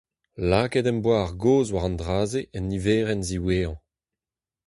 Lakaet em boa ar gaoz war an dra-se en niverenn ziwezhañ.